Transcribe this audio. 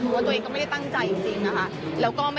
เพราะว่าตัวเองก็ไม่ได้ตั้งใจจริงนะคะ